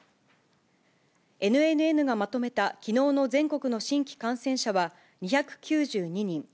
ＮＮＮがまとめたきのうの全国の新規感染者は２９２人。